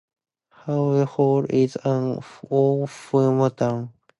Hayes Hall is an all-female dorm.